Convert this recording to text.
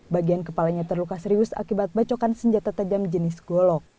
bagian kepalanya terluka serius akibat bacokan senjata tajam jenis golok